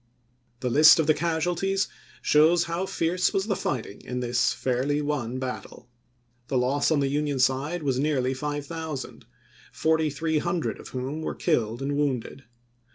The list of the casualties shows how fierce was the fighting in this fairly won battle. The loss on the Union side was nearly 5000,4300 of whom were killed and wounded.